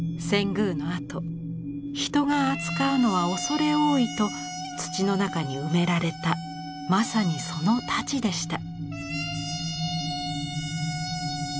遷宮のあと人が扱うのは畏れ多いと土の中に埋められたまさにその太刀でした。